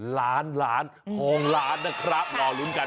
ล้านล้านทองล้านนะครับรอลุ้นกัน